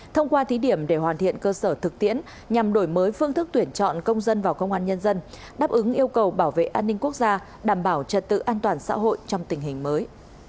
thông qua thí điểm để hoàn thiện cơ sở thực tiễn nhằm đổi mới phương thức tuyển chọn công dân vào công an nhân dân đáp ứng yêu cầu bảo vệ an ninh quốc gia đảm bảo trật tự an toàn xã hội trong tình hình mới